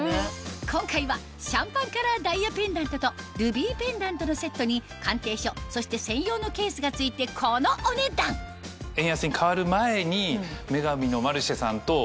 今回はシャンパンカラーダイヤペンダントとルビーペンダントのセットに鑑定書そして専用のケースが付いてこのお値段円安に変わる前に。